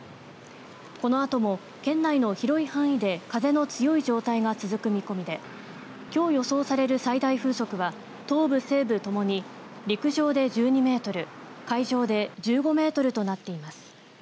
このあとも県内の広い範囲で風の強い状態が続く見込みできょう予想される最大風速は東部、西部ともに陸上で１２メートル海上で１５メートルとなっています。